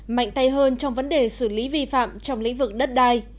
mạnh tay hơn trong vấn đề xử lý vi phạm trong lĩnh vực đất đai